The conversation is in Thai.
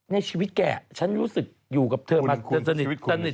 ในชีวิตแกฉันรู้สึกอยู่กับเธอมาสนิท